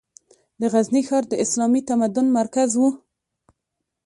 د غزني ښار د اسلامي تمدن مرکز و.